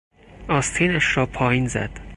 آستینش را پایین زد.